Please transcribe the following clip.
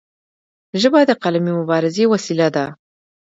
ژبه د قلمي مبارزې وسیله ده.